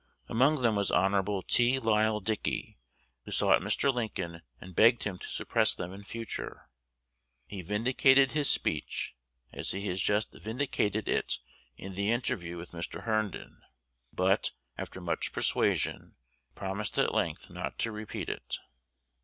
Among them was Hon. T. Lyle Dickey, who sought Mr. Lincoln, and begged him to suppress them in future. He vindicated his speech as he has just vindicated it in the interview with Mr. Herndon; but, after much persuasion, he promised at length not to repeat it.